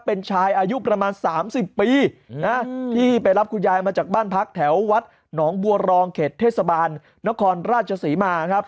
เป็นชายอายุประมาณ๓๐ปีนะที่ไปรับคุณยายมาจากบ้านพักแถววัดหนองบัวรองเขตเทศบาลนครราชศรีมาครับ